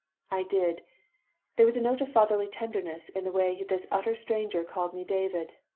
I did. There was a note of fatherly tenderness in the way this utter stranger called me David.